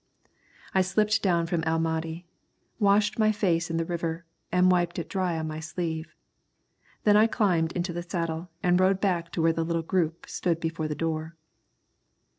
I slipped down from El Mahdi, washed my face in the river, and wiped it dry on my sleeve. Then I climbed into the saddle and rode back to where the little group stood before the door.